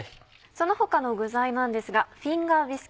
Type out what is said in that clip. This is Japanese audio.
その他の具材なんですが。